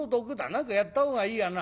何かやったほうがいいやな。